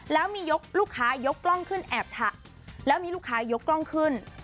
แล้วมียกลูกค้ายกกล้องขึ้นแอบแล้วมีลูกค้ายกกล้องขึ้น